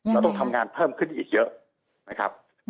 เราต้องทำงานเพิ่มขึ้นอีกเยอะนะครับ